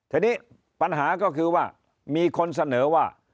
ทีนี้ปัญหาก็คือว่ามีคนเสนอว่า